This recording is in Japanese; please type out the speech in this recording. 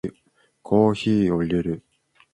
コーヒーを淹れる